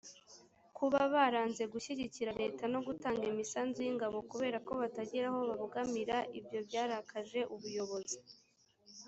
kuba baranze gushyigikira leta no gutanga imisanzu y’ingabo kubera ko batagira aho babogamira ibyo byarakaje ubuyobozi